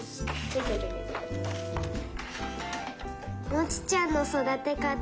「モチちゃんのそだてかた」。